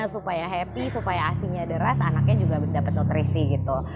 supaya happy supaya asinya deras anaknya juga dapat nutrisi gitu